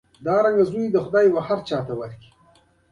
زما جنازه د ده له جنازې مخکې وړئ.